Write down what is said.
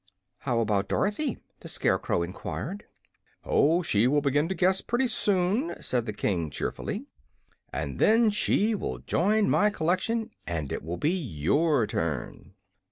"How about Dorothy?" the Scarecrow enquired. "Oh, she will begin to guess, pretty soon," said the King, cheerfully. "And then she will join my collection, and it will be your turn."